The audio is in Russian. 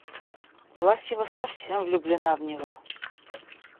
Власьева совсем влюблена в него.